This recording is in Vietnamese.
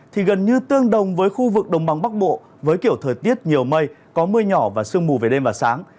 thì gần như tương đồng với khu vực đồng bằng bắc bộ với kiểu thời tiết nhiều mây có mưa nhỏ và sương mù về đêm và sáng